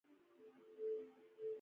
د افغانستان په منظره کې تودوخه ښکاره ده.